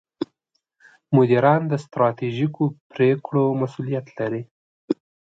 مدیران د ستراتیژیکو پرېکړو مسوولیت لري.